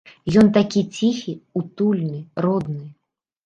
Ён такі ціхі, утульны, родны.